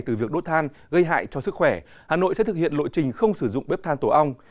từ việc đốt than gây hại cho sức khỏe hà nội sẽ thực hiện lộ trình không sử dụng bếp than tổ ong